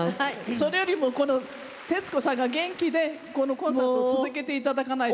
それよりも徹子さんが元気でこのコンサートを続けて頂かないと。